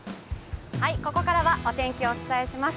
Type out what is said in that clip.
ここからはお天気をお伝えします。